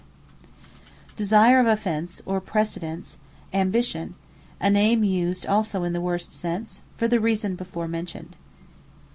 Ambition Desire of Office, or precedence, AMBITION: a name used also in the worse sense, for the reason before mentioned.